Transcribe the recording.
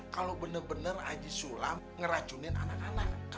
kalau benar benar aji sulam ngeracunin anak anak